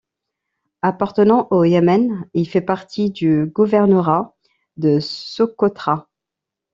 Appartenant au Yémen, il fait partie du gouvernorat de Socotra.